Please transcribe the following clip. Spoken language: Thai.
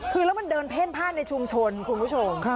คือแล้วมันเดินเพ่นผ้านในชุมชนคุณผู้ชม